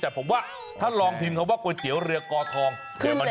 แต่ผมว่าถ้าลองทิมเขาว่าก๋วยเตี๋ยวเรือกอทองเดี๋ยวมันขึ้น